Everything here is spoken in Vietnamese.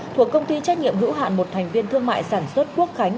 thuộc công ty trách nhiệm hữu hạn một thành viên thương mại sản xuất quốc khánh